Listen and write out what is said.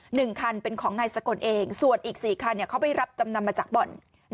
หนึ่งคันเป็นของนายสกลเองส่วนอีกสี่คันเขาไปรับจำนำมาจากบ่อน